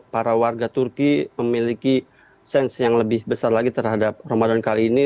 para warga turki memiliki sense yang lebih besar lagi terhadap ramadan kali ini